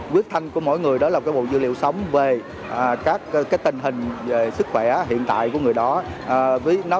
huyết thanh của mỗi người đó là bộ dữ liệu sống về các tình hình sức khỏe hiện tại của người đó nó